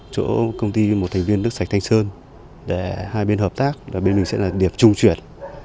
chỗ công ty một thành viên nước sạch thanh sơn để hai bên hợp tác là bên mình sẽ là điểm trung chuyển